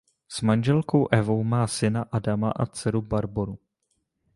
S manželkou Evou má syna Adama a dceru Barboru.